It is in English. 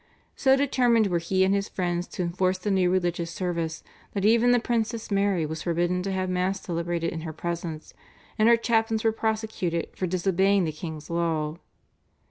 So determined were he and his friends to enforce the new religious service that even the Princess Mary was forbidden to have Mass celebrated in her presence, and her chaplains were prosecuted for disobeying the king's law.